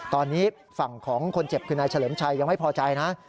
ตอนนี้ฝั่งของคนเจ็บคือนายเฉลิมชัยยังไม่พอใจนะ